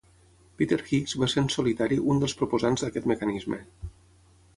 Peter Higgs va ser en solitari un dels proposants d'aquest mecanisme.